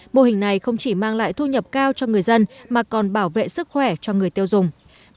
mô hình này không chỉ mang lại thu nhập cao cho người dân mà còn bảo vệ sức khỏe cho người tiêu dùng